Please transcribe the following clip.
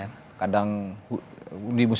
bahwa peta kebencanaan ini bukan suatu hal